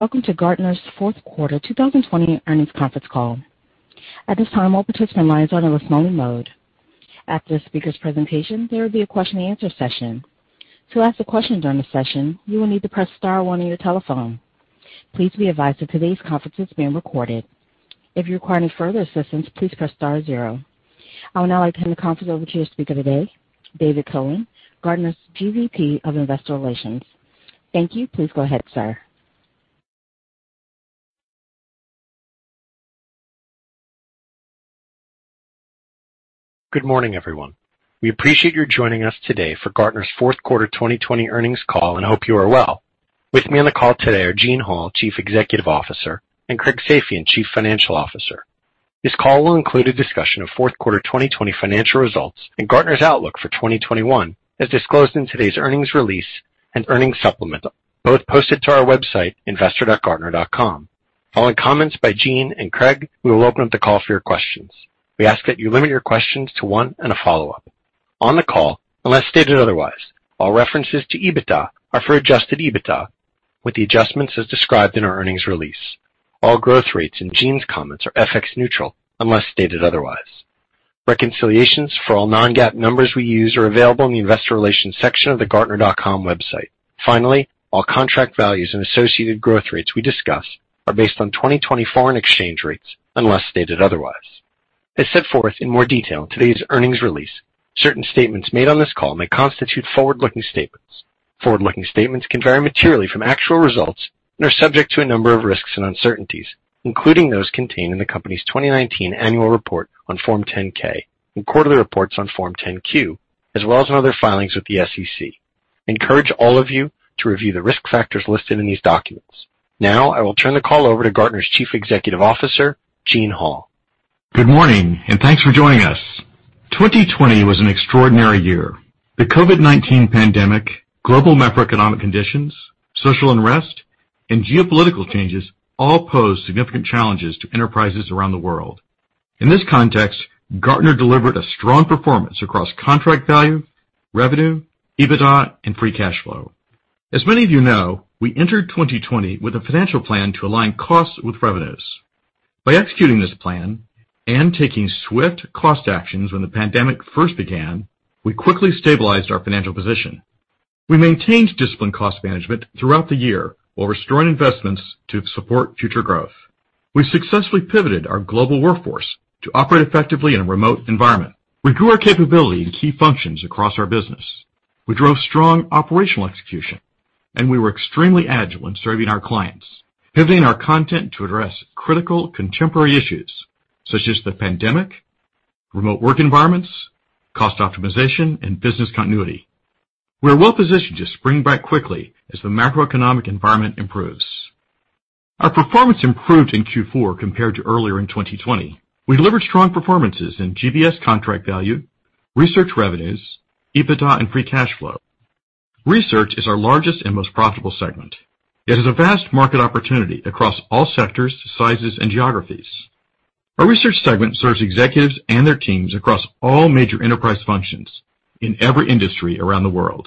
Welcome to Gartner's fourth quarter 2020 earnings conference call. At this time, all participant lines are in a listen-only mode. After the speaker's presentation, there will be a question and answer session. To ask a question during the session, you will need to press star one on your telephone. Please be advised that today's conference is being recorded. If you require any further assistance, please press star zero. I would now like to hand the conference over to your speaker today, David Cohen, Gartner's GVP of Investor Relations. Thank you. Please go ahead, sir. Good morning, everyone. We appreciate your joining us today for Gartner's fourth quarter 2020 earnings call and hope you are well. With me on the call today are Gene Hall, Chief Executive Officer, and Craig Safian, Chief Financial Officer. This call will include a discussion of fourth quarter 2020 financial results and Gartner's outlook for 2021, as disclosed in today's earnings release and earnings supplement, both posted to our website, investor.gartner.com. Following comments by Gene and Craig, we will open up the call for your questions. We ask that you limit your questions to one and a follow-up. On the call, unless stated otherwise, all references to EBITDA are for adjusted EBITDA with the adjustments as described in our earnings release. All growth rates in Gene's comments are FX neutral unless stated otherwise. Reconciliations for all non-GAAP numbers we use are available in the investor relations section of the Gartner.com website. All contract values and associated growth rates we discuss are based on 2020 foreign exchange rates unless stated otherwise. As set forth in more detail in today's earnings release, certain statements made on this call may constitute forward-looking statements. Forward-looking statements can vary materially from actual results and are subject to a number of risks and uncertainties, including those contained in the company's 2019 annual report on Form 10-K and quarterly reports on Form 10-Q, as well as in other filings with the SEC. I encourage all of you to review the risk factors listed in these documents. I will turn the call over to Gartner's Chief Executive Officer, Gene Hall. Good morning, and thanks for joining us. 2020 was an extraordinary year. The COVID-19 pandemic, global macroeconomic conditions, social unrest, and geopolitical changes all pose significant challenges to enterprises around the world. In this context, Gartner delivered a strong performance across contract value, revenue, EBITDA and free cash flow. As many of you know, we entered 2020 with a financial plan to align costs with revenues. By executing this plan and taking swift cost actions when the pandemic first began, we quickly stabilized our financial position. We maintained disciplined cost management throughout the year while restoring investments to support future growth. We successfully pivoted our global workforce to operate effectively in a remote environment. We grew our capability in key functions across our business. We drove strong operational execution, and we were extremely agile in serving our clients, pivoting our content to address critical contemporary issues such as the pandemic, remote work environments, cost optimization, and business continuity. We are well-positioned to spring back quickly as the macroeconomic environment improves. Our performance improved in Q4 compared to earlier in 2020. We delivered strong performances in GBS contract value, research revenues, EBITDA and free cash flow. Research is our largest and most profitable segment. It is a vast market opportunity across all sectors, sizes, and geographies. Our research segment serves executives and their teams across all major enterprise functions in every industry around the world.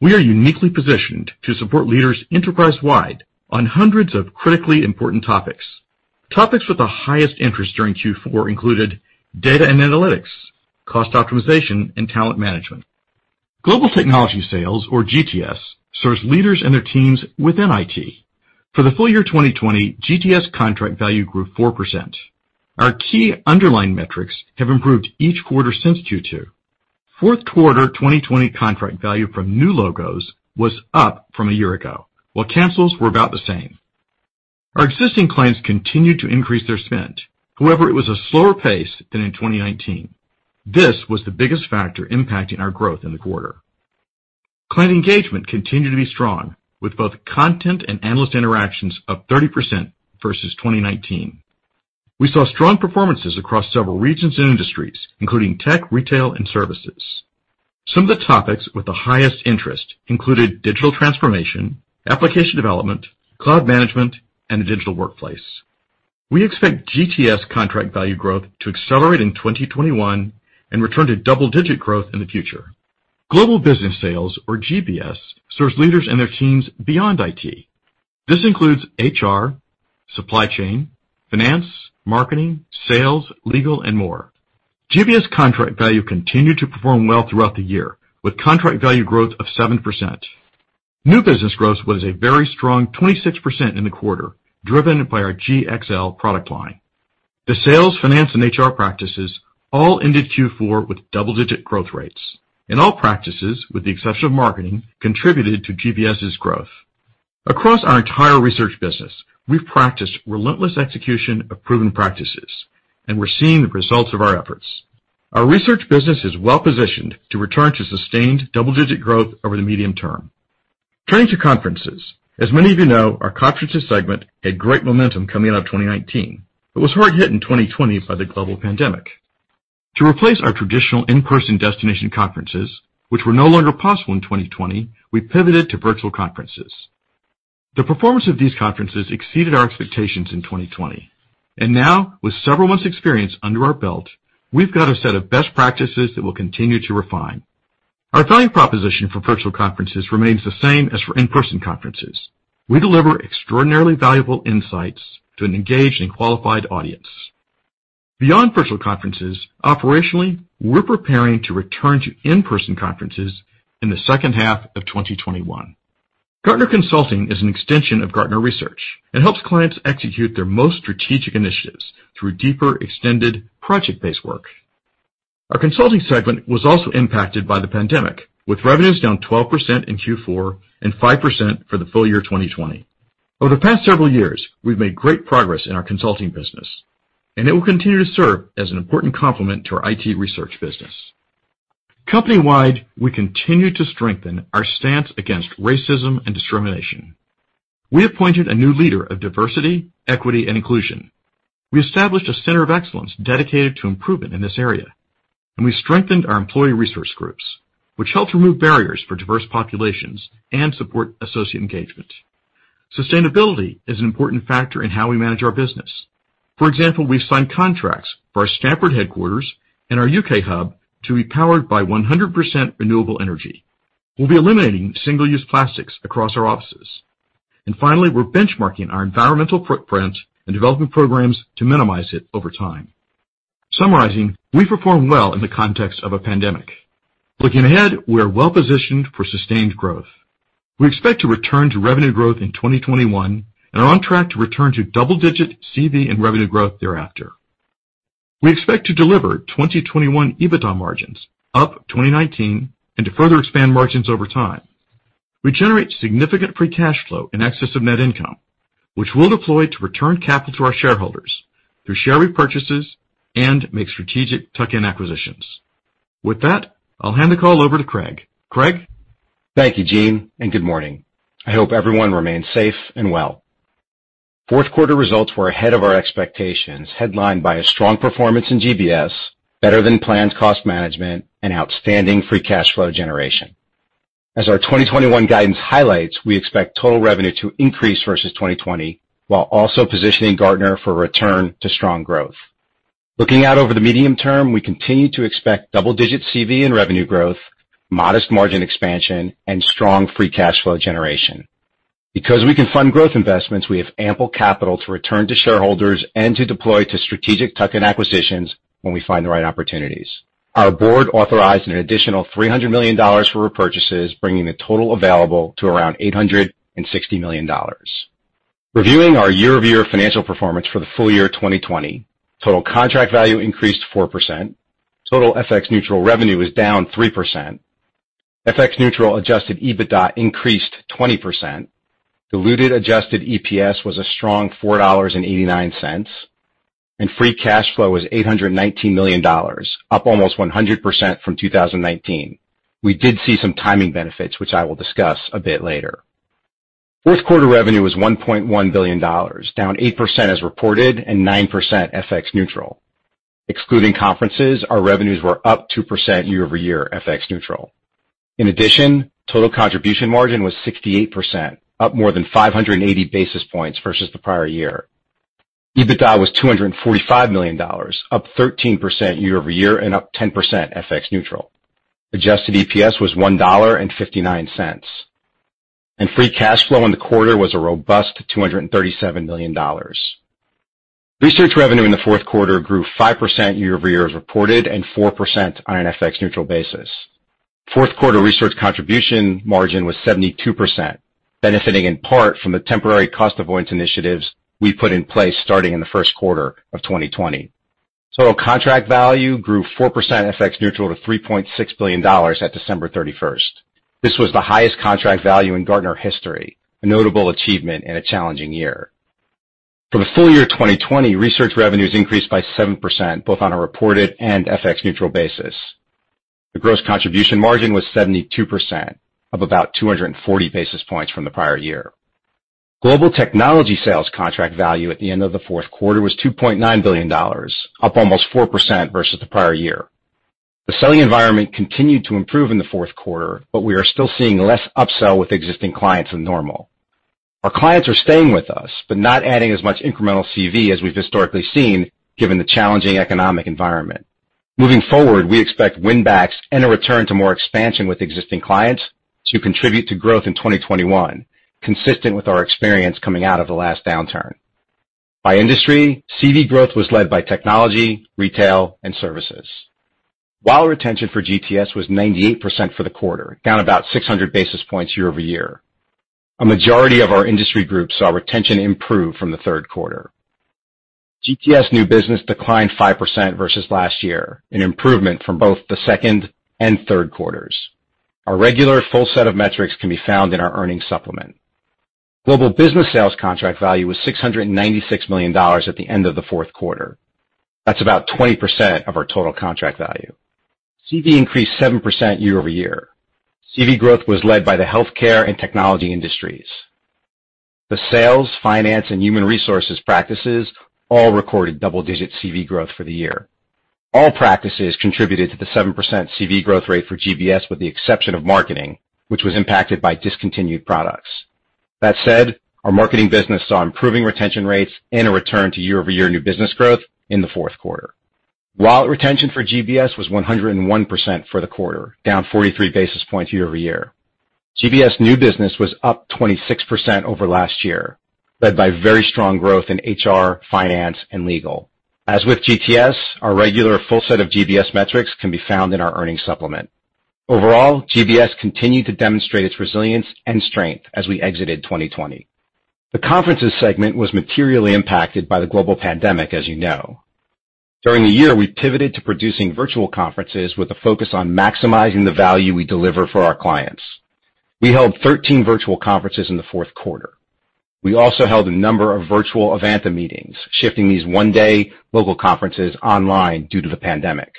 We are uniquely positioned to support leaders enterprise-wide on hundreds of critically important topics. Topics with the highest interest during Q4 included data and analytics, cost optimization, and talent management. Global technology sales, or GTS, serves leaders and their teams within IT. For the full year 2020, GTS contract value grew four percent. Our key underlying metrics have improved each quarter since Q2. Fourth quarter 2020 contract value from new logos was up from a year ago, while cancels were about the same. Our existing clients continued to increase their spend. However, it was a slower pace than in 2019. This was the biggest factor impacting our growth in the quarter. Client engagement continued to be strong with both content and analyst interactions up 30% versus 2019. We saw strong performances across several regions and industries, including tech, retail, and services. Some of the topics with the highest interest included digital transformation, application development, cloud management, and the digital workplace. We expect GTS contract value growth to accelerate in 2021 and return to double-digit growth in the future. Global business sales, or GBS, serves leaders and their teams beyond IT. This includes HR, supply chain, finance, marketing, sales, legal, and more. GBS contract value continued to perform well throughout the year, with contract value growth of seven percent. New business growth was a very strong 26% in the quarter, driven by our GxL product line. The sales, finance, and HR practices all ended Q4 with double-digit growth rates, and all practices, with the exception of marketing, contributed to GBS's growth. Across our entire research business, we've practiced relentless execution of proven practices, and we're seeing the results of our efforts. Our research business is well-positioned to return to sustained double-digit growth over the medium term. Turning to conferences. As many of you know, our conferences segment had great momentum coming out of 2019. It was hard hit in 2020 by the global pandemic. To replace our traditional in-person destination conferences, which were no longer possible in 2020, we pivoted to virtual conferences. The performance of these conferences exceeded our expectations in 2020, and now, with several months' experience under our belt, we've got a set of best practices that we'll continue to refine. Our value proposition for virtual conferences remains the same as for in-person conferences. We deliver extraordinarily valuable insights to an engaged and qualified audience. Beyond virtual conferences, operationally, we're preparing to return to in-person conferences in the second half of 2021. Gartner Consulting is an extension of Gartner Research and helps clients execute their most strategic initiatives through deeper extended project-based work. Our consulting segment was also impacted by the pandemic, with revenues down 12% in Q4 and five percent for the full year 2020. Over the past several years, we've made great progress in our consulting business, and it will continue to serve as an important complement to our IT research business. Company-wide, we continue to strengthen our stance against racism and discrimination. We appointed a new leader of diversity, equity, and inclusion. We established a center of excellence dedicated to improvement in this area, and we strengthened our employee resource groups, which help remove barriers for diverse populations and support associate engagement. Sustainability is an important factor in how we manage our business. For example, we've signed contracts for our Stamford headquarters and our U.K. hub to be powered by 100% renewable energy. We'll be eliminating single-use plastics across our offices. Finally, we're benchmarking our environmental footprint and developing programs to minimize it over time. Summarizing, we performed well in the context of a pandemic. Looking ahead, we are well-positioned for sustained growth. We expect to return to revenue growth in 2021 and are on track to return to double-digit CV and revenue growth thereafter. We expect to deliver 2021 EBITDA margins up 2019, and to further expand margins over time. We generate significant free cash flow in excess of net income, which we'll deploy to return capital to our shareholders through share repurchases and make strategic tuck-in acquisitions. With that, I'll hand the call over to Craig. Craig? Thank you, Gene, and good morning. I hope everyone remains safe and well. Fourth quarter results were ahead of our expectations, headlined by a strong performance in GBS, better than planned cost management, and outstanding free cash flow generation. As our 2021 guidance highlights, we expect total revenue to increase versus 2020 while also positioning Gartner for a return to strong growth. Looking out over the medium term, we continue to expect double-digit CV and revenue growth, modest margin expansion, and strong free cash flow generation. Because we can fund growth investments, we have ample capital to return to shareholders and to deploy to strategic tuck-in acquisitions when we find the right opportunities. Our board authorized an additional $300 million for repurchases, bringing the total available to around $860 million. Reviewing our year-over-year financial performance for the full year 2020, total contract value increased four percent. Total FX neutral revenue was down three percent. FX neutral adjusted EBITDA increased 20%. Diluted adjusted EPS was a strong $4.89, and free cash flow was $819 million, up almost 100% from 2019. We did see some timing benefits, which I will discuss a bit later. Fourth quarter revenue was $1.1 billion, down eight percent as reported and nine percent FX neutral. Excluding conferences, our revenues were up two percent year-over-year FX neutral. In addition, total contribution margin was 68%, up more than 580 basis points versus the prior year. EBITDA was $245 million, up 13% year-over-year and up 10% FX neutral. Adjusted EPS was $1.59, and free cash flow in the quarter was a robust $237 million. Research revenue in the fourth quarter grew five percent year-over-year as reported and four percent on an FX neutral basis. Fourth quarter research contribution margin was 72%, benefiting in part from the temporary cost avoidance initiatives we put in place starting in the first quarter of 2020. Total contract value grew four percent FX neutral to $3.6 billion at December 31st. This was the highest contract value in Gartner history, a notable achievement in a challenging year. For the full year 2020, research revenues increased by seven percent, both on a reported and FX neutral basis. The gross contribution margin was 72%, up about 240 basis points from the prior year. Global technology sales contract value at the end of the fourth quarter was $2.9 billion, up almost four percent versus the prior year. The selling environment continued to improve in the fourth quarter. We are still seeing less upsell with existing clients than normal. Our clients are staying with us, not adding as much incremental CV as we've historically seen, given the challenging economic environment. Moving forward, we expect win backs and a return to more expansion with existing clients to contribute to growth in 2021, consistent with our experience coming out of the last downturn. By industry, CV growth was led by technology, retail, and services. Retention for GTS was 98% for the quarter, down about 600 basis points year-over-year. A majority of our industry groups saw retention improve from the third quarter. GTS new business declined five percent versus last year, an improvement from both the 2nd and third quarters. Our regular full set of metrics can be found in our earnings supplement. Global business sales contract value was $696 million at the end of the fourth quarter. That's about 20% of our total contract value. CV increased seven percent year-over-year. CV growth was led by the healthcare and technology industries. The sales, finance, and human resources practices all recorded double-digit CV growth for the year. All practices contributed to the seven percent CV growth rate for GBS with the exception of marketing, which was impacted by discontinued products. That said, our marketing business saw improving retention rates and a return to year-over-year new business growth in the fourth quarter. While retention for GBS was 101% for the quarter, down 43 basis points year-over-year. GBS new business was up 26% over last year, led by very strong growth in HR, finance, and legal. As with GTS, our regular full set of GBS metrics can be found in our earnings supplement. Overall, GBS continued to demonstrate its resilience and strength as we exited 2020. The conferences segment was materially impacted by the global pandemic, as you know. During the year, we pivoted to producing virtual conferences with a focus on maximizing the value we deliver for our clients. We held 13 virtual conferences in the fourth quarter. We also held a number of virtual Evanta meetings, shifting these one-day local conferences online due to the pandemic.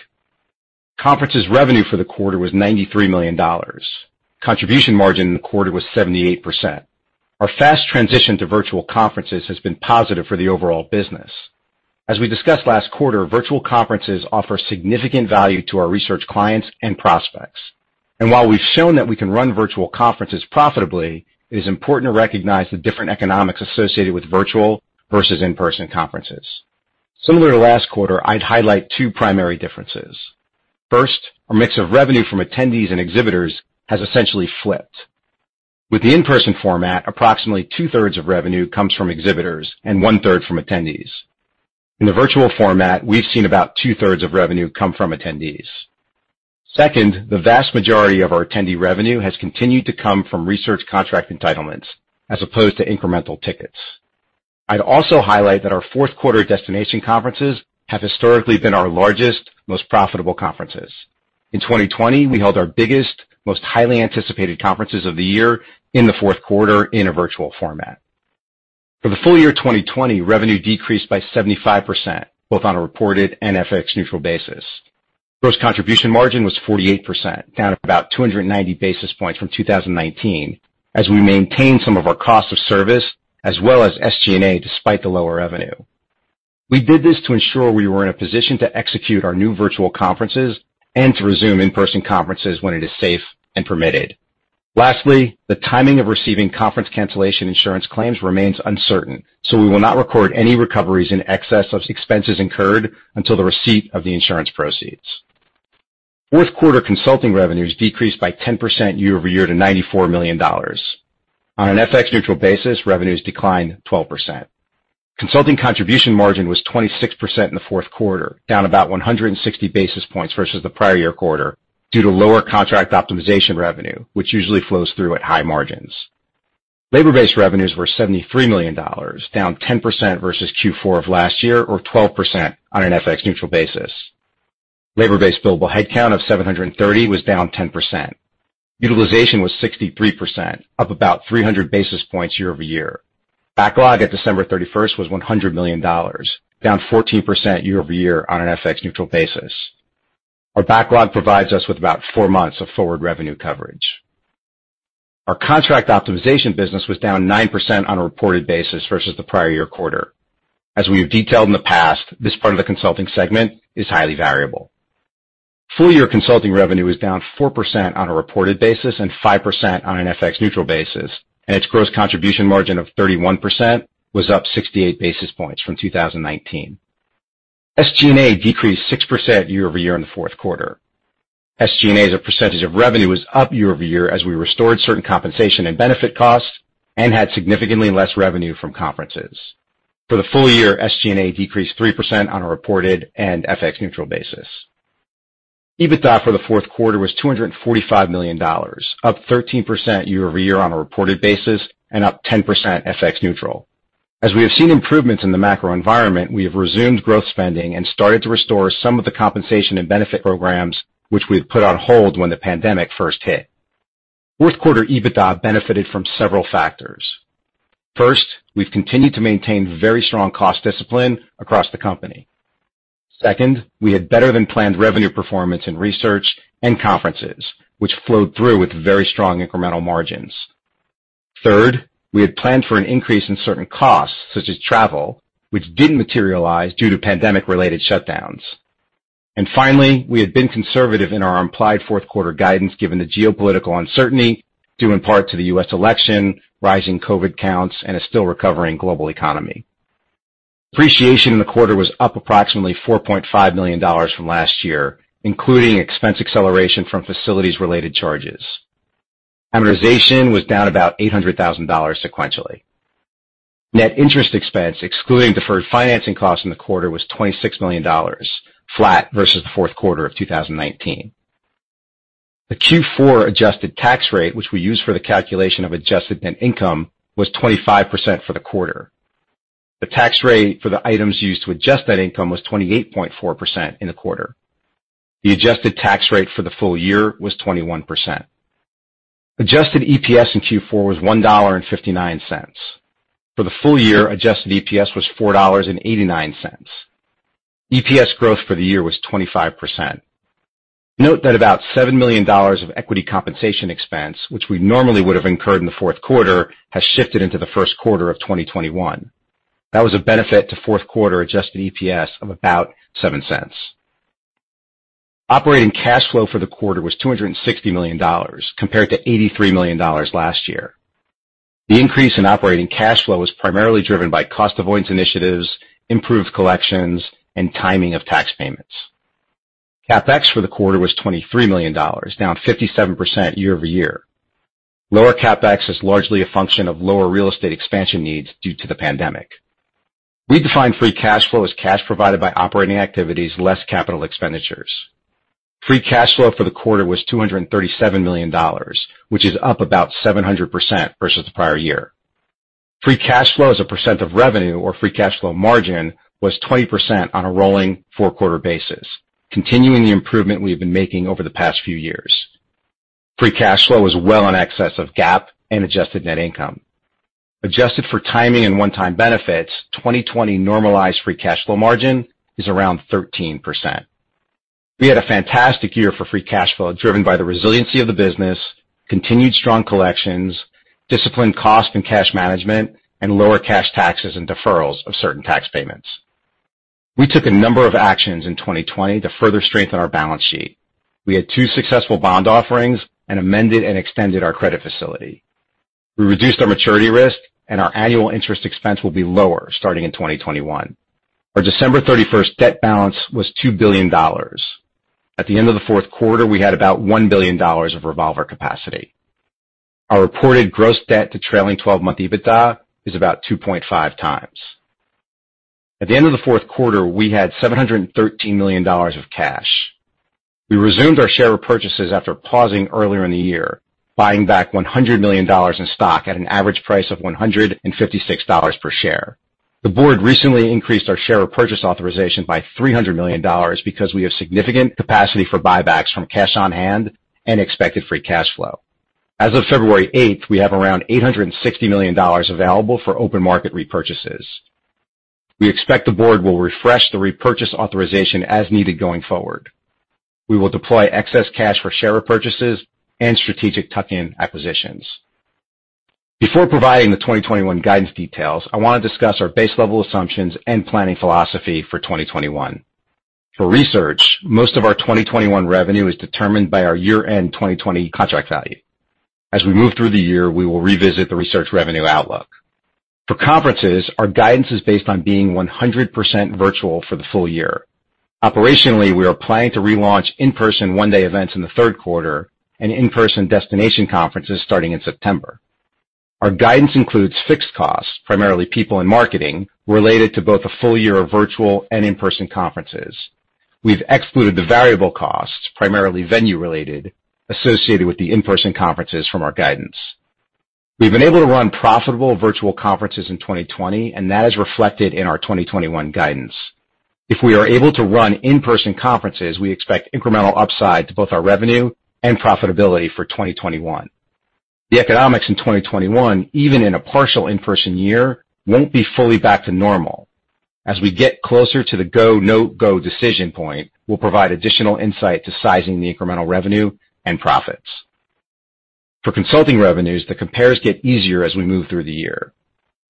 Conferences revenue for the quarter was $93 million. Contribution margin in the quarter was 78%. Our fast transition to virtual conferences has been positive for the overall business. As we discussed last quarter, virtual conferences offer significant value to our research clients and prospects. While we've shown that we can run virtual conferences profitably, it is important to recognize the different economics associated with virtual versus in-person conferences. Similar to last quarter, I'd highlight two primary differences. First, our mix of revenue from attendees and exhibitors has essentially flipped. With the in-person format, approximately two-thirds of revenue comes from exhibitors and one-third from attendees. In the virtual format, we've seen about two-thirds of revenue come from attendees. Second, the vast majority of our attendee revenue has continued to come from research contract entitlements as opposed to incremental tickets. I'd also highlight that our fourth quarter destination conferences have historically been our largest, most profitable conferences. In 2020, we held our biggest, most highly anticipated conferences of the year in the fourth quarter in a virtual format. For the full year 2020, revenue decreased by 75%, both on a reported and FX neutral basis. Gross contribution margin was 48%, down about 290 basis points from 2019 as we maintained some of our cost of service as well as SG&A despite the lower revenue. We did this to ensure we were in a position to execute our new virtual conferences and to resume in-person conferences when it is safe and permitted. Lastly, the timing of receiving conference cancellation insurance claims remains uncertain, so we will not record any recoveries in excess of expenses incurred until the receipt of the insurance proceeds. Fourth quarter consulting revenues decreased by 10% year-over-year to $94 million. On an FX neutral basis, revenues declined 12%. Consulting contribution margin was 26% in the fourth quarter, down about 160 basis points versus the prior year quarter due to lower contract optimization revenue, which usually flows through at high margins. Labor-based revenues were $73 million, down 10% versus Q4 of last year or 12% on an FX neutral basis. Labor-based billable headcount of 730 was down 10%. Utilization was 63%, up about 300 basis points year-over-year. Backlog at December 31st was $100 million, down 14% year-over-year on an FX neutral basis. Our backlog provides us with about four months of forward revenue coverage. Our contract optimization business was down nine percent on a reported basis versus the prior year quarter. As we have detailed in the past, this part of the consulting segment is highly variable. Full year consulting revenue was down four percent on a reported basis and five percent on an FX neutral basis, and its gross contribution margin of 31% was up 68 basis points from 2019. SG&A decreased six percent year-over-year in the fourth quarter. SG&A as a percentage of revenue was up year-over-year as we restored certain compensation and benefit costs and had significantly less revenue from conferences. For the full year, SG&A decreased three percent on a reported and FX neutral basis. EBITDA for the fourth quarter was $245 million, up 13% year-over-year on a reported basis and up 10% FX neutral. As we have seen improvements in the macro environment, we have resumed growth spending and started to restore some of the compensation and benefit programs which we had put on hold when the pandemic first hit. Fourth quarter EBITDA benefited from several factors. First, we've continued to maintain very strong cost discipline across the company. Second, we had better than planned revenue performance in research and conferences, which flowed through with very strong incremental margins. Third, we had planned for an increase in certain costs, such as travel, which didn't materialize due to pandemic-related shutdowns. Finally, we had been conservative in our implied fourth quarter guidance, given the geopolitical uncertainty due in part to the U.S. election, rising COVID-19 counts, and a still recovering global economy. Depreciation in the quarter was up approximately $4.5 million from last year, including expense acceleration from facilities-related charges. Amortization was down about $800,000 sequentially. Net interest expense, excluding deferred financing costs in the quarter, was $26 million, flat versus the fourth quarter of 2019. The Q4 adjusted tax rate, which we use for the calculation of adjusted net income, was 25% for the quarter. The tax rate for the items used to adjust that income was 28.4% in the quarter. The adjusted tax rate for the full year was 21%. Adjusted EPS in Q4 was $1.59. For the full year, adjusted EPS was $4.89. EPS growth for the year was 25%. Note that about $7 million of equity compensation expense, which we normally would have incurred in the fourth quarter, has shifted into the first quarter of 2021. That was a benefit to fourth quarter adjusted EPS of about $0.07. Operating cash flow for the quarter was $260 million compared to $83 million last year. The increase in operating cash flow was primarily driven by cost avoidance initiatives, improved collections, and timing of tax payments. CapEx for the quarter was $23 million, down 57% year-over-year. Lower CapEx is largely a function of lower real estate expansion needs due to the pandemic. We define free cash flow as cash provided by operating activities less capital expenditures. Free cash flow for the quarter was $237 million, which is up about 700% versus the prior year. Free cash flow as a percent of revenue or free cash flow margin was 20% on a rolling four-quarter basis, continuing the improvement we have been making over the past few years. Free cash flow was well in excess of GAAP and adjusted net income. Adjusted for timing and one-time benefits, 2020 normalized free cash flow margin is around 13%. We had a fantastic year for free cash flow, driven by the resiliency of the business, continued strong collections, disciplined cost and cash management, and lower cash taxes and deferrals of certain tax payments. We took a number of actions in 2020 to further strengthen our balance sheet. We had two successful bond offerings and amended and extended our credit facility. We reduced our maturity risk and our annual interest expense will be lower starting in 2021. Our December 31st debt balance was $2 billion. At the end of the fourth quarter, we had about $1 billion of revolver capacity. Our reported gross debt to trailing 12-month EBITDA is about two point five times. At the end of the fourth quarter, we had $713 million of cash. We resumed our share repurchases after pausing earlier in the year, buying back $100 million in stock at an average price of $156 per share. The board recently increased our share repurchase authorization by $300 million because we have significant capacity for buybacks from cash on hand and expected free cash flow. As of February eighth, we have around $860 million available for open market repurchases. We expect the board will refresh the repurchase authorization as needed going forward. We will deploy excess cash for share repurchases and strategic tuck-in acquisitions. Before providing the 2021 guidance details, I want to discuss our base level assumptions and planning philosophy for 2021. For research, most of our 2021 revenue is determined by our year-end 2020 contract value. As we move through the year, we will revisit the research revenue outlook. For conferences, our guidance is based on being 100% virtual for the full year. Operationally, we are planning to relaunch in-person one-day events in the third quarter and in-person destination conferences starting in September. Our guidance includes fixed costs, primarily people in marketing, related to both a full year of virtual and in-person conferences. We've excluded the variable costs, primarily venue-related, associated with the in-person conferences from our guidance. We've been able to run profitable virtual conferences in 2020, and that is reflected in our 2021 guidance. If we are able to run in-person conferences, we expect incremental upside to both our revenue and profitability for 2021. The economics in 2021, even in a partial in-person year, won't be fully back to normal. As we get closer to the go, no go decision point, we'll provide additional insight to sizing the incremental revenue and profits. For consulting revenues, the compares get easier as we move through the year.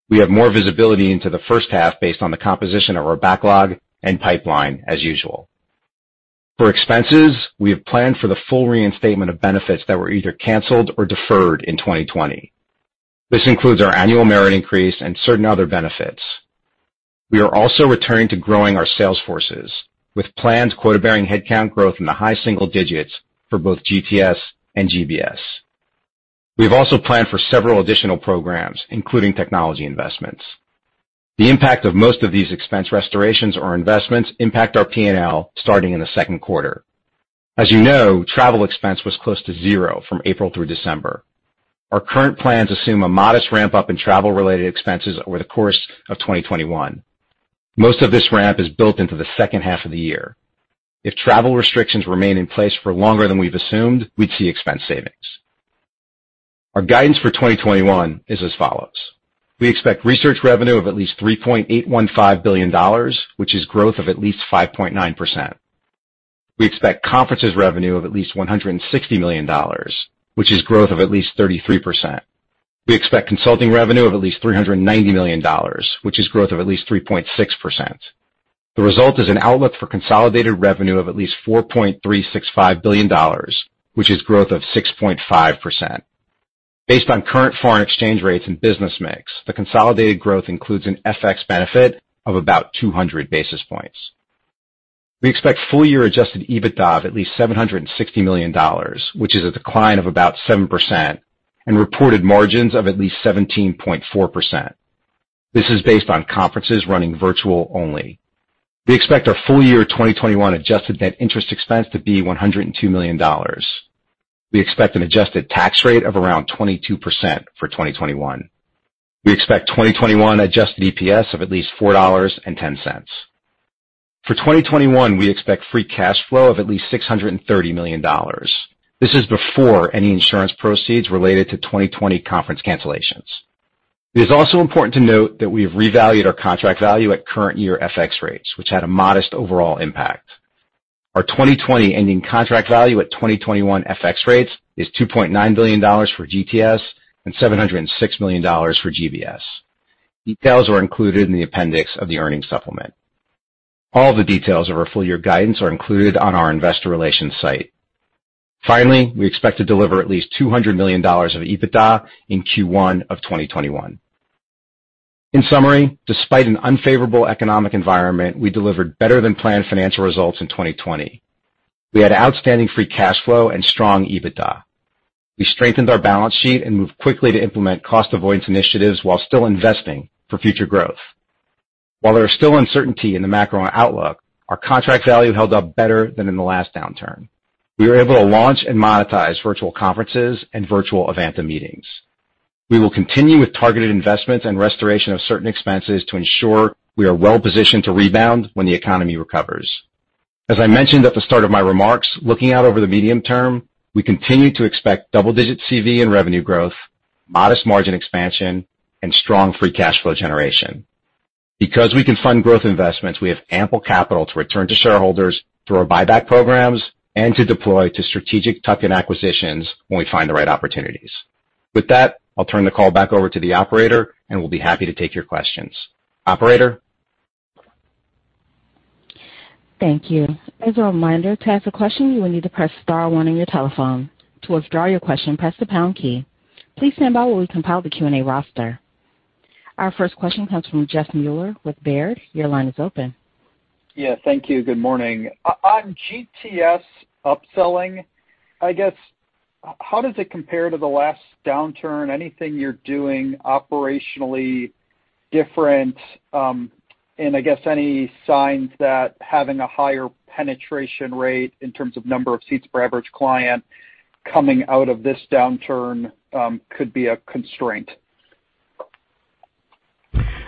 We have more visibility into the first half based on the composition of our backlog and pipeline as usual. For expenses, we have planned for the full reinstatement of benefits that were either canceled or deferred in 2020. This includes our annual merit increase and certain other benefits. We are also returning to growing our sales forces with planned quota-bearing headcount growth in the high single digits for both GTS and GBS. We've also planned for several additional programs, including technology investments. The impact of most of these expense restorations or investments impact our P&L starting in the second quarter. As you know, travel expense was close to zero from April through December. Our current plans assume a modest ramp-up in travel-related expenses over the course of 2021. Most of this ramp is built into the second half of the year. If travel restrictions remain in place for longer than we've assumed, we'd see expense savings. Our guidance for 2021 is as follows. We expect research revenue of at least $3.815 billion, which is growth of at least five point nine percent. We expect conferences revenue of at least $160 million, which is growth of at least 33%. We expect consulting revenue of at least $390 million, which is growth of at least three point six percent. The result is an outlook for consolidated revenue of at least $4.365 billion, which is growth of six point five percent. Based on current foreign exchange rates and business mix, the consolidated growth includes an FX benefit of about 200 basis points. We expect full year adjusted EBITDA of at least $760 million, which is a decline of about seven percent and reported margins of at least 17.4%. This is based on conferences running virtual only. We expect our full year 2021 adjusted net interest expense to be $102 million. We expect an adjusted tax rate of around 22% for 2021. We expect 2021 adjusted EPS of at least $4.10. For 2021, we expect free cash flow of at least $630 million. This is before any insurance proceeds related to 2020 conference cancellations. It is also important to note that we have revalued our contract value at current year FX rates, which had a modest overall impact. Our 2020 ending contract value at 2021 FX rates is $2.9 billion for GTS and $706 million for GBS. Details are included in the appendix of the earnings supplement. All the details of our full year guidance are included on our investor relations site. Finally, we expect to deliver at least $200 million of EBITDA in Q1 of 2021. In summary, despite an unfavorable economic environment, we delivered better than planned financial results in 2020. We had outstanding free cash flow and strong EBITDA. We strengthened our balance sheet and moved quickly to implement cost avoidance initiatives while still investing for future growth. While there is still uncertainty in the macro outlook, our contract value held up better than in the last downturn. We were able to launch and monetize virtual conferences and virtual Evanta meetings. We will continue with targeted investments and restoration of certain expenses to ensure we are well-positioned to rebound when the economy recovers. As I mentioned at the start of my remarks, looking out over the medium term, we continue to expect double-digit CV and revenue growth, modest margin expansion, and strong free cash flow generation. Because we can fund growth investments, we have ample capital to return to shareholders through our buyback programs and to deploy to strategic tuck-in acquisitions when we find the right opportunities. With that, I'll turn the call back over to the operator, and we'll be happy to take your questions. Operator? Thank you. As a reminder, to ask a question, you will need to press star one on your telephone. To withdraw your question, press the pound key. Please stand by while we compile the Q&A roster. Our first question comes from Jeffrey Meuler with Baird. Your line is open. Yeah, thank you. Good morning. On GTS upselling, I guess, how does it compare to the last downturn? Anything you're doing operationally different, I guess any signs that having a higher penetration rate in terms of number of seats per average client coming out of this downturn could be a constraint?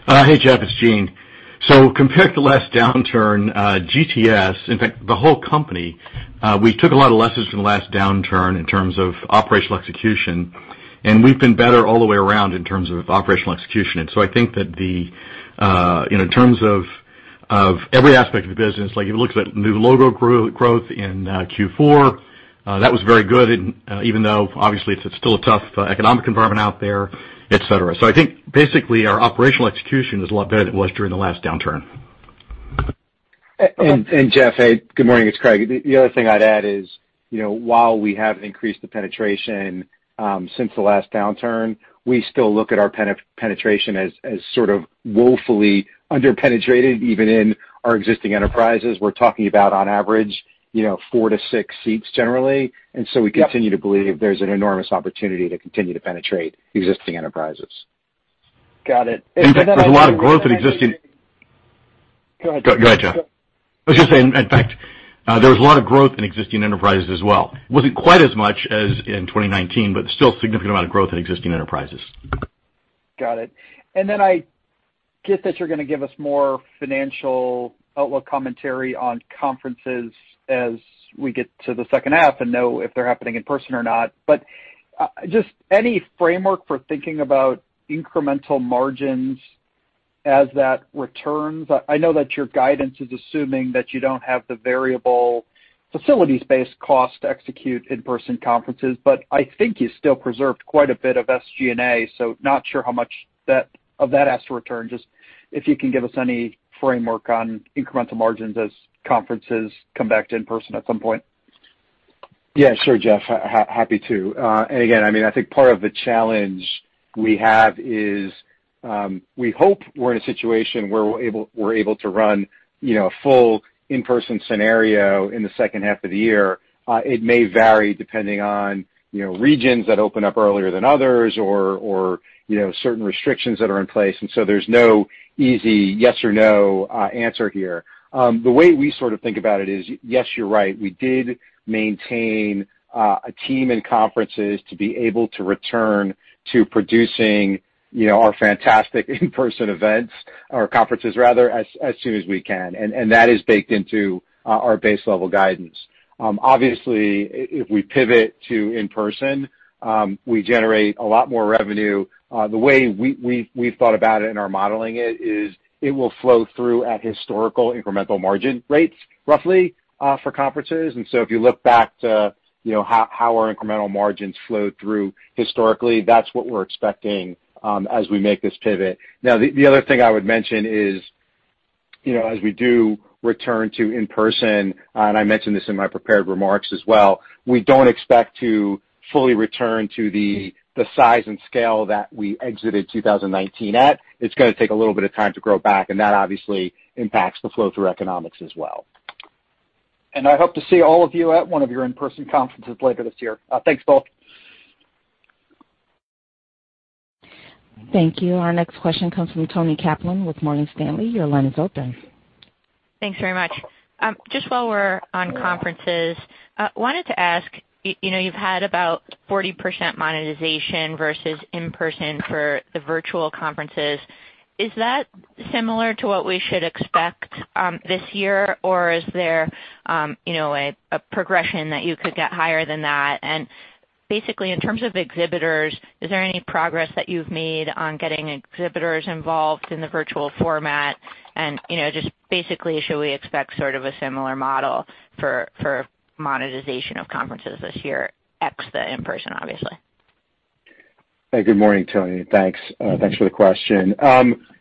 Hey, Jeffrey, it's Gene Hall. Compared to last downturn, GTS, in fact, the whole company, we took a lot of lessons from the last downturn in terms of operational execution, and we've been better all the way around in terms of operational execution. I think that the, you know, in terms of every aspect of the business, like if you look at new logo growth in Q4, that was very good and even though obviously it's still a tough economic environment out there, et cetera. I think basically our operational execution is a lot better than it was during the last downturn. Jeff, hey, good morning, it's Craig. The other thing I'd add is, you know, while we have increased the penetration since the last downturn, we still look at our penetration as sort of woefully under-penetrated even in our existing enterprises. We're talking about on average, you know, four to six seats generally. We continue to believe there's an enormous opportunity to continue to penetrate existing enterprises. Got it. In fact, there's a lot of growth in existing- Go ahead, Gene. I was just saying, in fact, there was a lot of growth in existing enterprises as well. Wasn't quite as much as in 2019, but still significant amount of growth in existing enterprises. Got it. I guess that you're gonna give us more financial outlook commentary on conferences as we get to the second half and know if they're happening in person or not. Just any framework for thinking about incremental margins as that returns? I know that your guidance is assuming that you don't have the variable facilities-based cost to execute in-person conferences, but I think you still preserved quite a bit of SG&A, so not sure how much that, of that has to return. Just if you can give us any framework on incremental margins as conferences come back to in person at some point. Yeah, sure, Jeff. Happy to. Again, I mean, I think part of the challenge we have is, we hope we're in a situation where we're able to run, you know, a full in-person scenario in the second half of the year. It may vary depending on, you know, regions that open up earlier than others or, you know, certain restrictions that are in place. There's no easy yes or no answer here. The way we sort of think about it is, yes, you're right. We did maintain a team in conferences to be able to return to producing, you know, our fantastic in-person events or conferences rather, as soon as we can. That is baked into our base level guidance. Obviously, if we pivot to in person, we generate a lot more revenue. The way we've thought about it in our modeling it, is it will flow through at historical incremental margin rates, roughly, for conferences. If you look back to, you know, how our incremental margins flowed through historically, that's what we're expecting as we make this pivot. The other thing I would mention is, you know, as we do return to in person, and I mentioned this in my prepared remarks as well, we don't expect to fully return to the size and scale that we exited 2019 at. It's gonna take a little bit of time to grow back. That obviously impacts the flow through economics as well. I hope to see all of you at one of your in-person conferences later this year. Thanks both. Thank you. Our next question comes from Toni Kaplan with Morgan Stanley. Your line is open. Thanks very much. Just while we're on conferences, wanted to ask, you know, you've had about 40% monetization versus in-person for the virtual conferences. Is that similar to what we should expect this year? Or is there, you know, a progression that you could get higher than that? Basically, in terms of exhibitors, is there any progress that you've made on getting exhibitors involved in the virtual format? You know, just basically should we expect sort of a similar model for monetization of conferences this year, ex the in-person obviously? Hey, good morning, Toni. Thanks. Thanks for the question.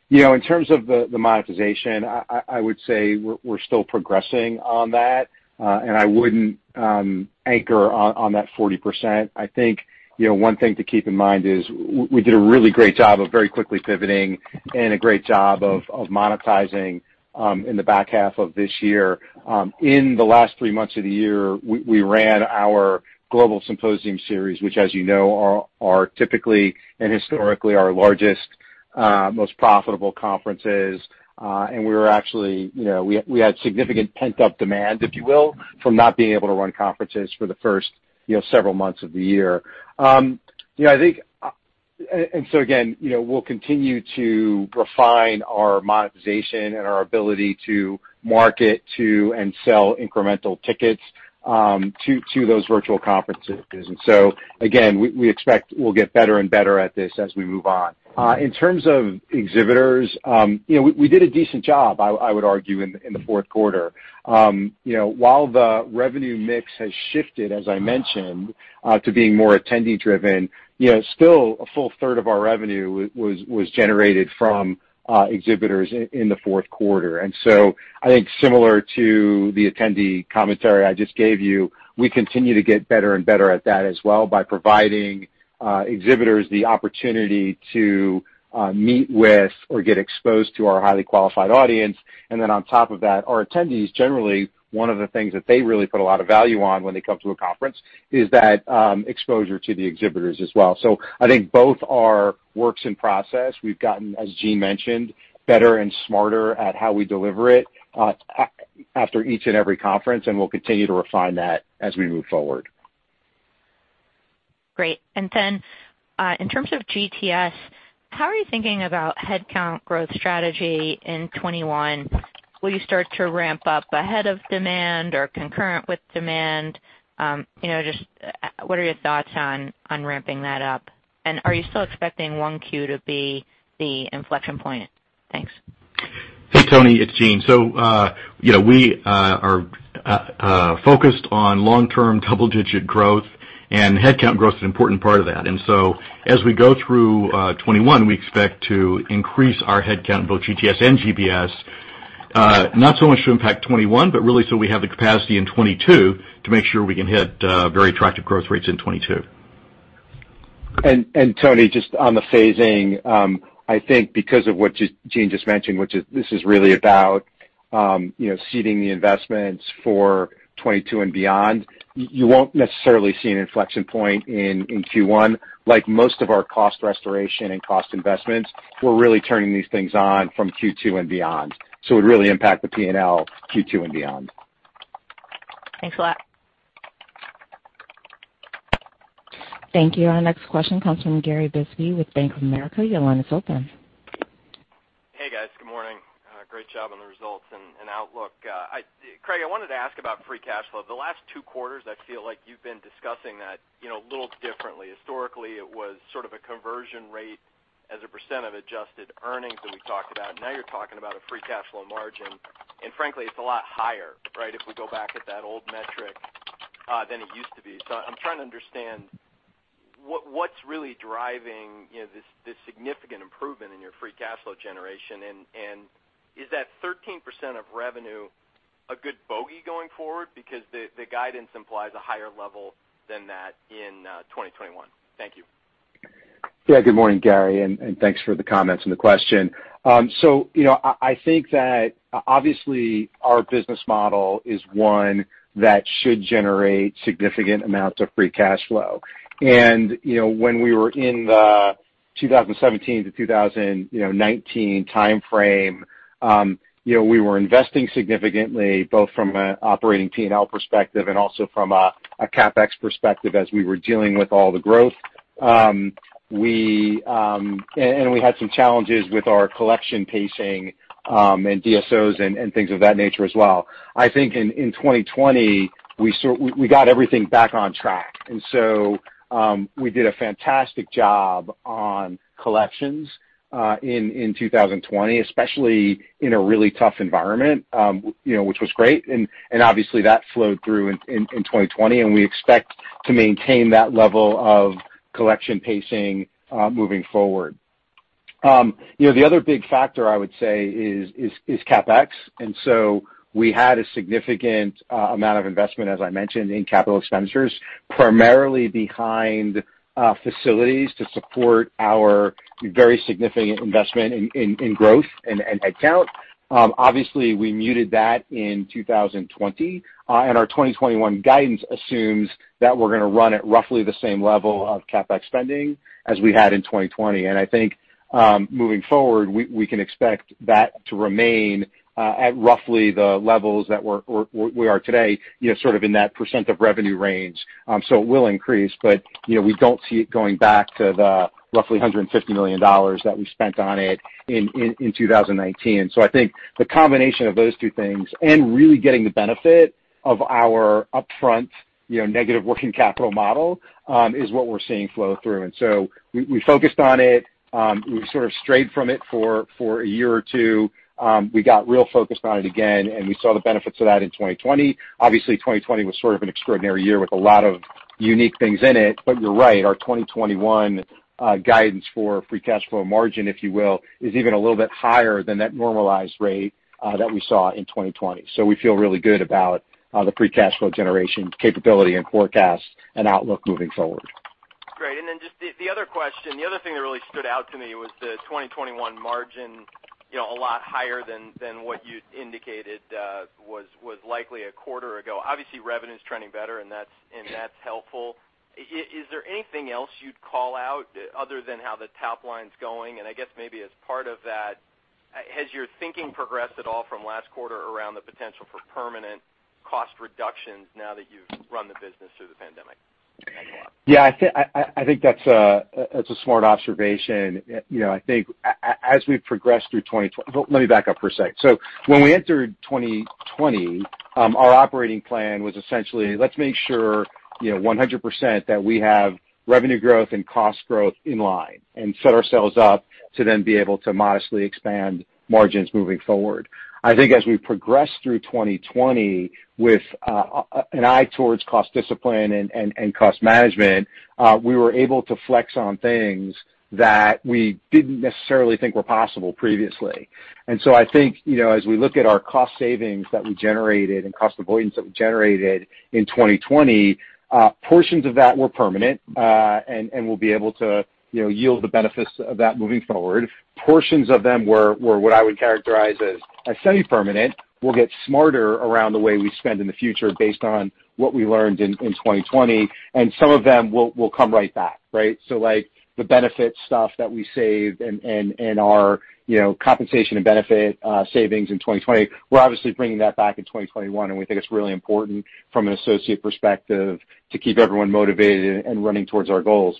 you know, in terms of the monetization, I would say we're still progressing on that, and I wouldn't anchor on that 40%. I think, you know, one thing to keep in mind is we did a really great job of very quickly pivoting and a great job of monetizing in the back half of this year. In the last three months of the year, we ran our global symposium series, which as you know, are typically and historically our largest, most profitable conferences. We were actually, you know, we had significant pent-up demand, if you will, from not being able to run conferences for the first, you know, several months of the year. You know, I think, again, you know, we'll continue to refine our monetization and our ability to market to and sell incremental tickets to those virtual conferences. Again, we expect we'll get better and better at this as we move on. In terms of exhibitors, you know, we did a decent job, I would argue, in the fourth quarter. You know, while the revenue mix has shifted, as I mentioned, to being more attendee-driven, you know, still a full third of our revenue was generated from exhibitors in the fourth quarter. I think similar to the attendee commentary I just gave you, we continue to get better and better at that as well by providing exhibitors the opportunity to meet with or get exposed to our highly qualified audience. On top of that, our attendees, generally, one of the things that they really put a lot of value on when they come to a conference is that exposure to the exhibitors as well. I think both are works in process. We've gotten, as Gene mentioned, better and smarter at how we deliver it after each and every conference, and we'll continue to refine that as we move forward. Great. In terms of GTS, how are you thinking about headcount growth strategy in 2021? Will you start to ramp up ahead of demand or concurrent with demand? You know, just what are your thoughts on ramping that up? Are you still expecting 1Q to be the inflection point? Thanks. Hey, Toni Kaplan, it's Gene Hall. You know, we are focused on long-term double-digit growth, and headcount growth is an important part of that. As we go through 2021, we expect to increase our headcount in both GTS and GBS, not so much to impact 2021, but really so we have the capacity in 2022 to make sure we can hit very attractive growth rates in 2022. Toni, just on the phasing, I think because of what Gene just mentioned, which is this is really about, you know, seeding the investments for 2022 and beyond, you won't necessarily see an inflection point in Q1. Like most of our cost restoration and cost investments, we're really turning these things on from Q2 and beyond. It would really impact the P&L Q2 and beyond. Thanks a lot. Thank you. Our next question comes from Gary Bisbee with Bank of America. Your line is open. Hey, guys. Good morning. Great job on the results and outlook. Craig, I wanted to ask about free cash flow. The last two quarters, I feel like you've been discussing that, you know, a little differently. Historically, it was sort of a conversion rate as a percent of adjusted earnings that we talked about. Now you're talking about a free cash flow margin, frankly, it's a lot higher, right? If we go back at that old metric, than it used to be. I'm trying to understand what's really driving, you know, this significant improvement in your free cash flow generation. Is that 13% of revenue a good bogey going forward? The guidance implies a higher level than that in 2021. Thank you. Good morning, Gary, and thanks for the comments and the question. You know, I think that obviously our business model is one that should generate significant amounts of free cash flow. You know, when we were in the 2017 to 2019 timeframe, you know, we were investing significantly, both from a operating P&L perspective and also from a CapEx perspective as we were dealing with all the growth. We had some challenges with our collection pacing, and DSOs and things of that nature as well. I think in 2020, we got everything back on track. We did a fantastic job on collections in 2020, especially in a really tough environment, you know, which was great. Obviously that flowed through in 2020, and we expect to maintain that level of collection pacing moving forward. You know, the other big factor I would say is CapEx. We had a significant amount of investment, as I mentioned, in capital expenditures, primarily behind facilities to support our very significant investment in growth and headcount. Obviously, we muted that in 2020, and our 2021 guidance assumes that we're gonna run at roughly the same level of CapEx spending as we had in 2020. I think, moving forward, we can expect that to remain at roughly the levels that we are today, you know, sort of in that percent of revenue range. It will increase, but, you know, we don't see it going back to the roughly $150 million that we spent on it in 2019. I think the combination of those two things and really getting the benefit of our upfront, you know, negative working capital model is what we're seeing flow through. We focused on it. We sort of strayed from it for a year or two. We got real focused on it again, and we saw the benefits of that in 2020. Obviously, 2020 was sort of an extraordinary year with a lot of unique things in it. You're right, our 2021 guidance for free cash flow margin, if you will, is even a little bit higher than that normalized rate that we saw in 2020. We feel really good about the free cash flow generation capability and forecast and outlook moving forward. The other question, the other thing that really stood out to me was the 2021 margin, you know, a lot higher than what you'd indicated was likely a quarter ago. Obviously, revenue's trending better, and that's helpful. Is there anything else you'd call out other than how the top line's going? I guess maybe as part of that, has your thinking progressed at all from last quarter around the potential for permanent cost reductions now that you've run the business through the pandemic? Thanks a lot. Yeah, I think that's a smart observation. Well, let me back up for a sec. When we entered 2020, our operating plan was essentially let's make sure, you know, 100% that we have revenue growth and cost growth in line and set ourselves up to then be able to modestly expand margins moving forward. I think as we progress through 2020 with an eye towards cost discipline and cost management, we were able to flex on things that we didn't necessarily think were possible previously. I think, you know, as we look at our cost savings that we generated and cost avoidance that we generated in 2020, portions of that were permanent, and we'll be able to, you know, yield the benefits of that moving forward. Portions of them were what I would characterize as semi-permanent. We'll get smarter around the way we spend in the future based on what we learned in 2020, and some of them will come right back, right? Like, the benefit stuff that we saved and our, you know, compensation and benefit savings in 2020, we're obviously bringing that back in 2021, and we think it's really important from an associate perspective to keep everyone motivated and running towards our goals.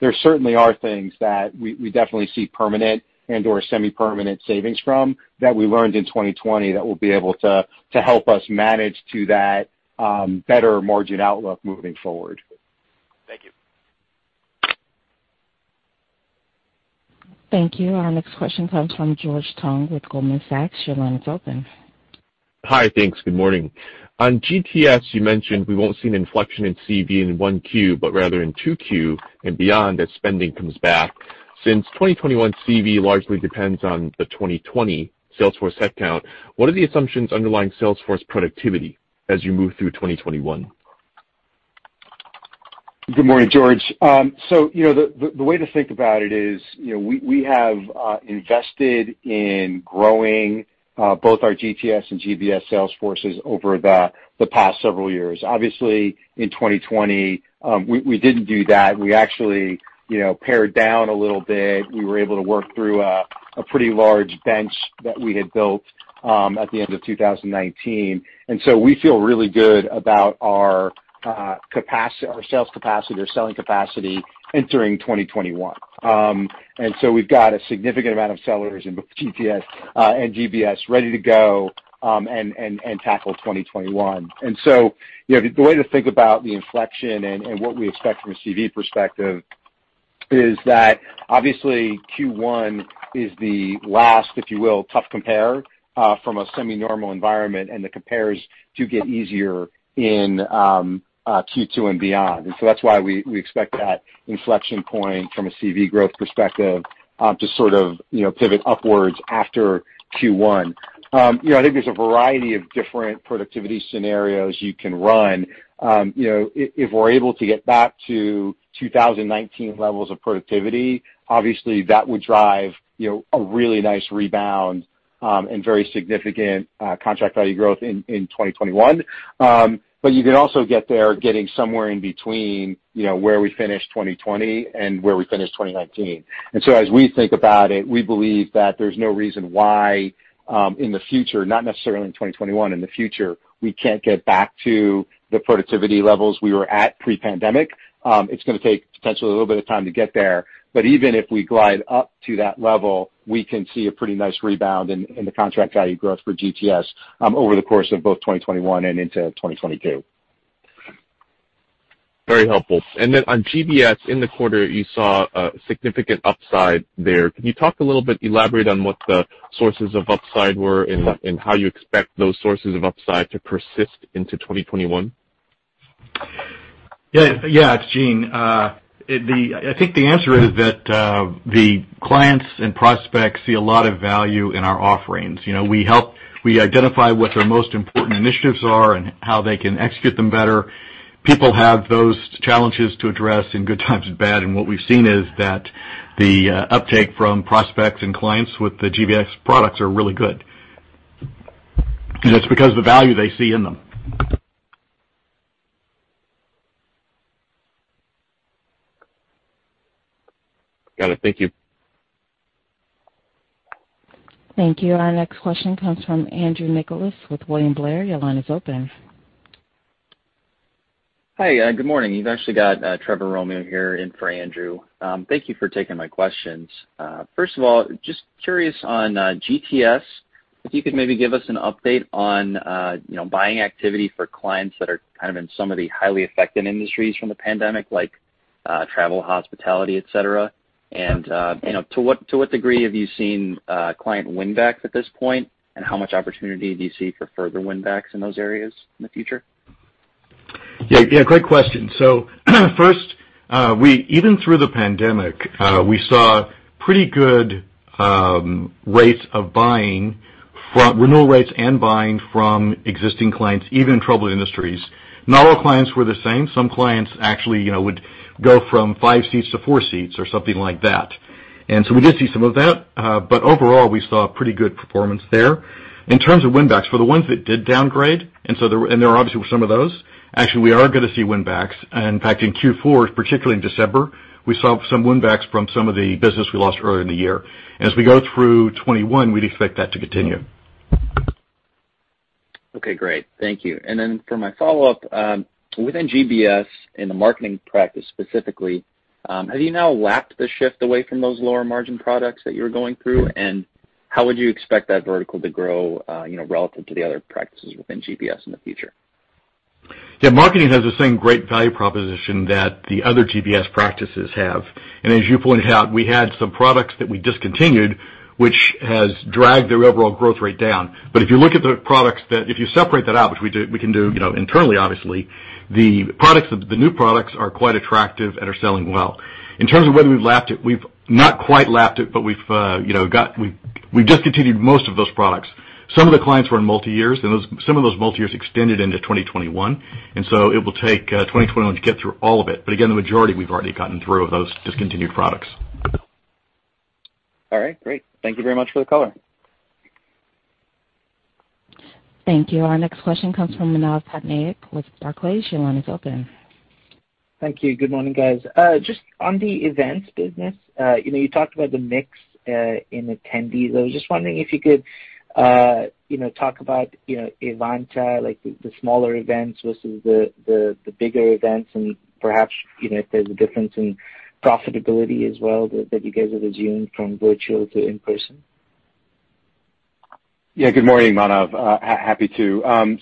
There certainly are things that we definitely see permanent and/or semi-permanent savings from that we learned in 2020 that will be able to help us manage to that, better margin outlook moving forward. Thank you. Our next question comes from George Tong with Goldman Sachs. Your line is open. Hi. Thanks. Good morning. On GTS, you mentioned we won't see an inflection in CV in 1Q, but rather in 2Q and beyond as spending comes back. Since 2021 CV largely depends on the 2020 sales force headcount, what are the assumptions underlying sales force productivity as you move through 2021? Good morning, George. You know, the way to think about it is, you know, we have invested in growing both our GTS and GBS sales forces over the past several years. Obviously, in 2020, we didn't do that. We actually, you know, pared down a little bit. We were able to work through a pretty large bench that we had built at the end of 2019. We feel really good about our capacity, our sales capacity or selling capacity entering 2021. We've got a significant amount of sellers in both GTS and GBS ready to go and tackle 2021. You know, the way to think about the inflection and what we expect from a CV perspective is that obviously Q1 is the last, if you will, tough compare from a semi-normal environment, and the compares do get easier in Q2 and beyond. That's why we expect that inflection point from a CV growth perspective to sort of, you know, pivot upwards after Q1. You know, I think there's a variety of different productivity scenarios you can run. You know, if we're able to get back to 2019 levels of productivity, obviously that would drive, you know, a really nice rebound and very significant contract value growth in 2021. You could also get there getting somewhere in between, you know, where we finished 2020 and where we finished 2019. As we think about it, we believe that there's no reason why, in the future, not necessarily in 2021, in the future, we can't get back to the productivity levels we were at pre-pandemic. It's gonna take potentially a little bit of time to get there, even if we glide up to that level, we can see a pretty nice rebound in the contract value growth for GTS over the course of both 2021 and into 2022. Very helpful. On GBS, in the quarter, you saw a significant upside there. Can you talk a little bit, elaborate on what the sources of upside were and how you expect those sources of upside to persist into 2021? It's Gene. I think the answer is that the clients and prospects see a lot of value in our offerings. You know, We identify what their most important initiatives are and how they can execute them better. People have those challenges to address in good times and bad, and what we've seen is that the uptake from prospects and clients with the GBS products are really good, and it's because the value they see in them. Got it. Thank you. Thank you. Our next question comes from Andrew Nicholas with William Blair. Your line is open. Hi, good morning. You've actually got Trevor Romeo here in for Andrew. Thank you for taking my questions. First of all, just curious on GTS, if you could maybe give us an update on, you know, buying activity for clients that are kind of in some of the highly affected industries from the pandemic like travel, hospitality, et cetera. You know, to what degree have you seen client win back at this point, and how much opportunity do you see for further win backs in those areas in the future? Yeah. Yeah, great question. First, even through the pandemic, we saw pretty good rates of buying from renewal rates and buying from existing clients, even troubled industries. Not all clients were the same. Some clients actually, you know, would go from five seats to four seats or something like that. We did see some of that, but overall, we saw pretty good performance there. In terms of win backs, for the ones that did downgrade, and there obviously were some of those, actually we are gonna see win backs. In fact, in Q4, particularly in December, we saw some win backs from some of the business we lost earlier in the year. As we go through 2021, we'd expect that to continue. Okay, great. Thank you. For my follow-up, within GBS in the marketing practice specifically, have you now lapped the shift away from those lower margin products that you were going through? How would you expect that vertical to grow, you know, relative to the other practices within GBS in the future? Yeah, marketing has the same great value proposition that the other GBS practices have. As you pointed out, we had some products that we discontinued, which has dragged their overall growth rate down. If you separate that out, which we do, we can do, you know, internally, obviously, the new products are quite attractive and are selling well. In terms of whether we've lapped it, we've not quite lapped it, we've, you know, discontinued most of those products. Some of the clients were in multi years, some of those multi years extended into 2021, it will take 2021 to get through all of it. Again, the majority we've already gotten through of those discontinued products. All right, great. Thank you very much for the color. Thank you. Our next question comes from Manav Patnaik with Barclays. Your line is open. Thank you. Good morning, guys. Just on the Evanta business, you know, you talked about the mix in attendees. I was just wondering if you could, you know, talk about, you know, Evanta, like the smaller events versus the bigger events and perhaps, you know, if there's a difference in profitability as well that you guys have assumed from virtual to in-person. Yeah, good morning, Manav. happy to.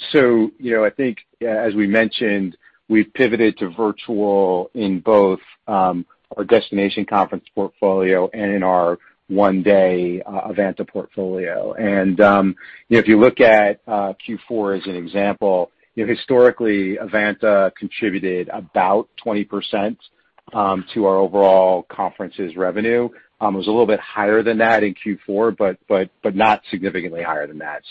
you know, I think, as we mentioned, we've pivoted to virtual in both our destination conference portfolio and in our one-day event portfolio. you know, if you look at Q4 as an example, you know, historically, event contributed about 20% to our overall conferences revenue. It was a little bit higher than that in Q4, but not significantly higher than that.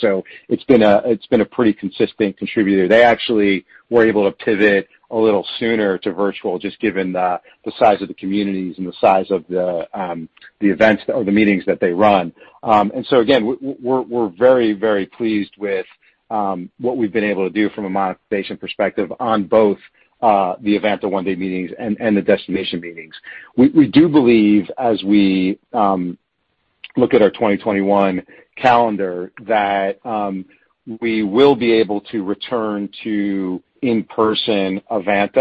It's been a pretty consistent contributor. They actually were able to pivot a little sooner to virtual, just given the size of the communities and the size of the events or the meetings that they run. Again, we're very pleased with what we've been able to do from a monetization perspective on both the event, the one-day meetings and the destination meetings. We do believe as we look at our 2021 calendar that we will be able to return to in-person event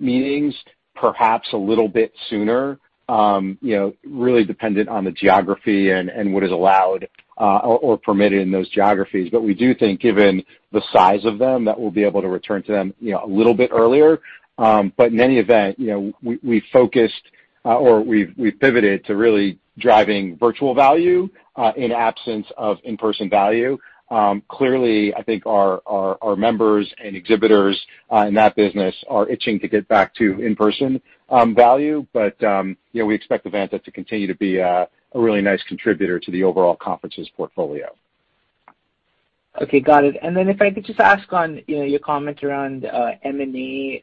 meetings perhaps a little bit sooner. You know, really dependent on the geography and what is allowed or permitted in those geographies. We do think given the size of them, that we'll be able to return to them, you know, a little bit earlier. In any event, you know, we focused or we've pivoted to really driving virtual value in absence of in-person value. Clearly, I think our members and exhibitors in that business are itching to get back to in-person value. You know, we expect Evanta to continue to be a really nice contributor to the overall conferences portfolio. Okay, got it. If I could just ask on your comment around M&A.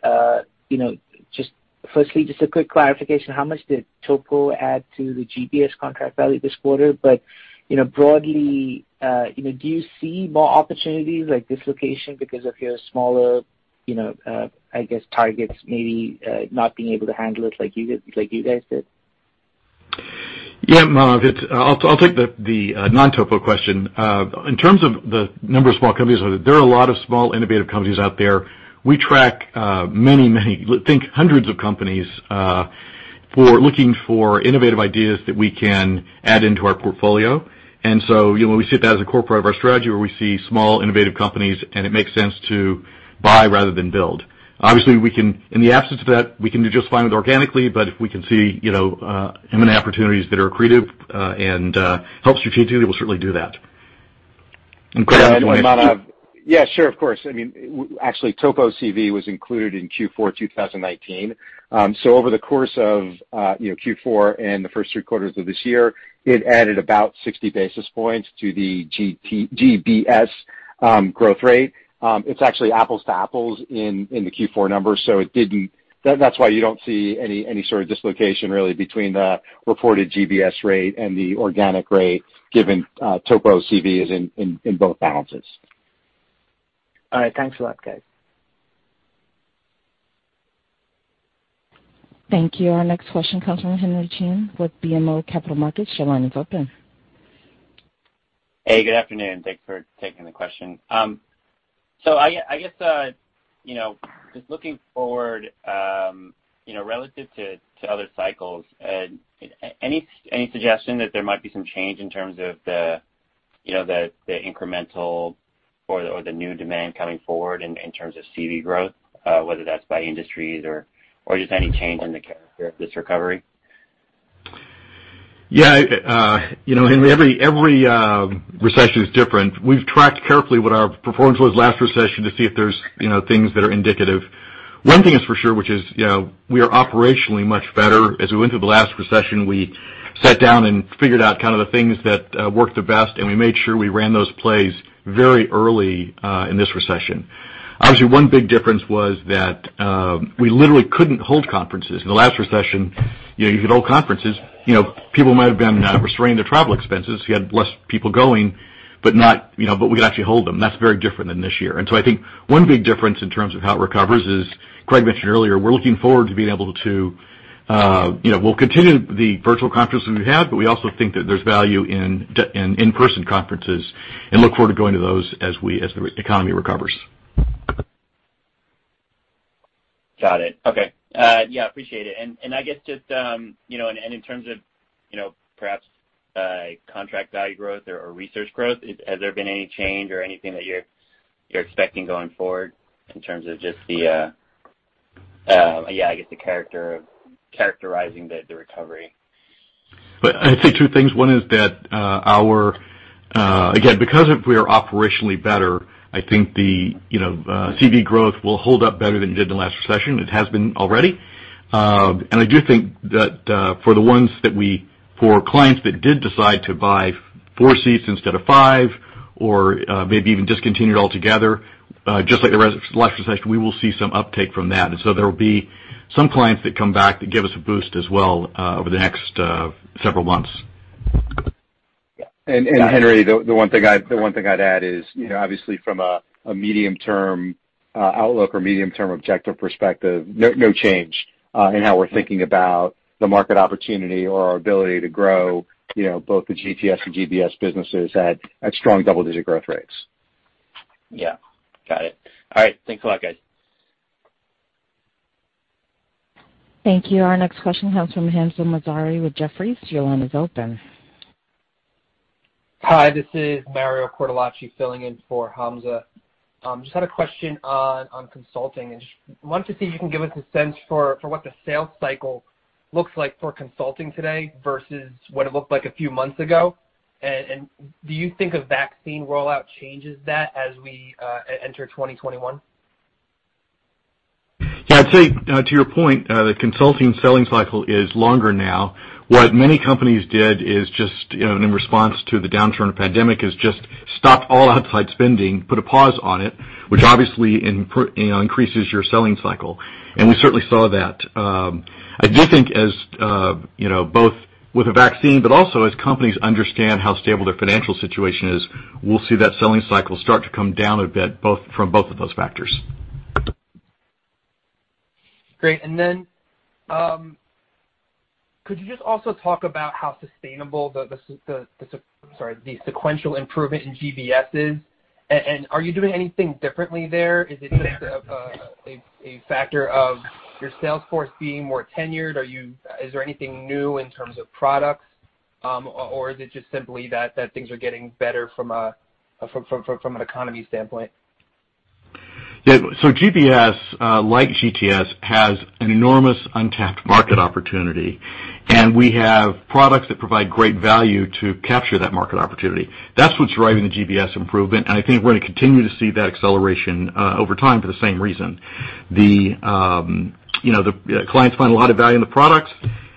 Just firstly, just a quick clarification, how much did TOPO add to the GBS contract value this quarter? Broadly, do you see more opportunities like dislocation because of your smaller, I guess targets maybe, not being able to handle it like you guys did? Yeah, Manav, it's I'll take the non-TOPO question. In terms of the number of small companies, there are a lot of small innovative companies out there. We track many, think hundreds of companies, for looking for innovative ideas that we can add into our portfolio. You know, we see that as a core part of our strategy where we see small innovative companies, and it makes sense to buy rather than build. Obviously, we can in the absence of that, we can do just fine with organically, but if we can see, you know, M&A opportunities that are accretive, and help strategically, we'll certainly do that. Craig might want to. Manav. Yeah, sure, of course. I mean, actually, TOPO CV was included in Q4 2019. Over the course of, you know, Q4 and the first three quarters of this year, it added about 60 basis points to the GBS growth rate. It's actually apples to apples in the Q4 numbers. That's why you don't see any sort of dislocation really between the reported GBS rate and the organic rate given TOPO CV is in both balances. All right. Thanks a lot, guys. Thank you. Our next question comes from Henry Chen with BMO Capital Markets. Your line is open. Hey, good afternoon. Thanks for taking the question. I guess, you know, just looking forward, you know, relative to other cycles, any suggestion that there might be some change in terms of the, you know, the incremental or the new demand coming forward in terms of CV growth, whether that's by industries or just any change in the character of this recovery? You know, Henry, every recession is different. We've tracked carefully what our performance was last recession to see if there's, you know, things that are indicative. One thing is for sure, which is, you know, we are operationally much better. As we went through the last recession, we sat down and figured out kind of the things that worked the best, and we made sure we ran those plays very early in this recession. Obviously, one big difference was that we literally couldn't hold conferences. In the last recession, you know, you could hold conferences. You know, people might have been restraining their travel expenses, you had less people going, but not, you know, but we could actually hold them. That's very different than this year. I think one big difference in terms of how it recovers is Craig mentioned earlier, we're looking forward to being able to, you know, we'll continue the virtual conferences we've had, but we also think that there's value in in-person conferences and look forward to going to those as we, as the economy recovers. Got it. Okay. Yeah, appreciate it. I guess just, you know, and in terms of, you know, perhaps contract value growth or research growth, has there been any change or anything that you're expecting going forward in terms of just the character of characterizing the recovery? Well, I'd say two things. One is that, our, again, because of we are operationally better, I think the, you know, CV growth will hold up better than it did in the last recession. It has been already. I do think that, for clients that did decide to buy four seats instead of five or, maybe even discontinued altogether, just like the last recession, we will see some uptake from that. There will be some clients that come back that give us a boost as well, over the next, several months. Henry, the one thing I'd add is, you know, obviously from a medium-term outlook or medium-term objective perspective, no change in how we're thinking about the market opportunity or our ability to grow, you know, both the GTS and GBS businesses at strong double-digit growth rates. Yeah. Got it. All right. Thanks a lot, guys. Thank you. Our next question comes from Hamzah Mazari with Jefferies. Your line is open. Hi, this is Mario Cortellacci filling in for Hamzah. Just had a question on consulting and just wanted to see if you can give us a sense for what the sales cycle looks like for consulting today versus what it looked like a few months ago. Do you think a vaccine rollout changes that as we enter 2021? Yeah, I'd say, to your point, the consulting selling cycle is longer now. What many companies did is just, you know, in response to the downturn of pandemic, is just stop all outside spending, put a pause on it, which obviously, you know, increases your selling cycle, and we certainly saw that. I do think as, you know, both with a vaccine, but also as companies understand how stable their financial situation is, we'll see that selling cycle start to come down a bit from both of those factors. Great. Could you just also talk about how sustainable the sequential improvement in GBS is? Are you doing anything differently there? Is it just a factor of your sales force being more tenured? Is there anything new in terms of products? Is it just simply that things are getting better from an economy standpoint? Yeah. GBS, like GTS, has an enormous untapped market opportunity, and we have products that provide great value to capture that market opportunity. That's what's driving the GBS improvement, and I think we're gonna continue to see that acceleration over time for the same reason. The, you know, the clients find a lot of value in the products.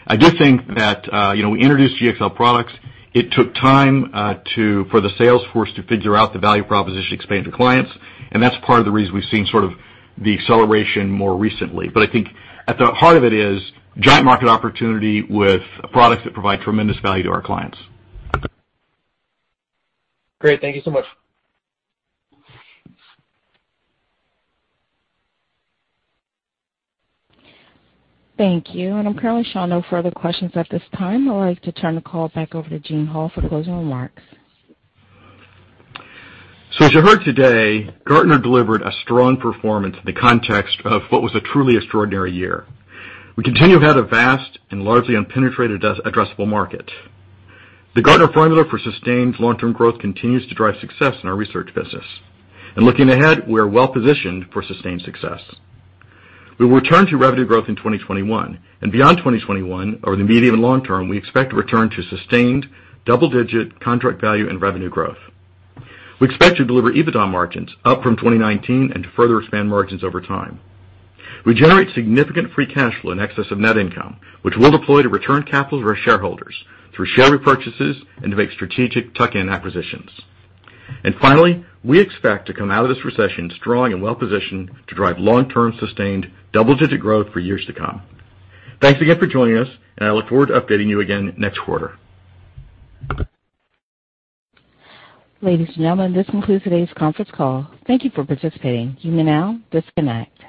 I do think that, you know, we introduced GxL products. It took time for the sales force to figure out the value proposition, explain to clients, and that's part of the reason we've seen sort of the acceleration more recently. I think at the heart of it is giant market opportunity with products that provide tremendous value to our clients. Great. Thank you so much. Thank you. I'm currently showing no further questions at this time. I'd like to turn the call back over to Gene Hall for closing remarks. As you heard today, Gartner delivered a strong performance in the context of what was a truly extraordinary year. We continue to have a vast and largely unpenetrated addressable market. The Gartner formula for sustained long-term growth continues to drive success in our research business. Looking ahead, we are well-positioned for sustained success. We will return to revenue growth in 2021, and beyond 2021 or the medium and long term, we expect to return to sustained double-digit contract value and revenue growth. We expect to deliver EBITDA margins up from 2019 and to further expand margins over time. We generate significant free cash flow in excess of net income, which we'll deploy to return capital to our shareholders through share repurchases and to make strategic tuck-in acquisitions. Finally, we expect to come out of this recession strong and well-positioned to drive long-term sustained double-digit growth for years to come. Thanks again for joining us. I look forward to updating you again next quarter. Ladies and gentlemen, this concludes today's conference call. Thank you for participating. You may now disconnect.